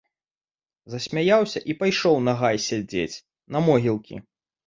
Засмяяўся і пайшоў на гай сядзець, на могілкі.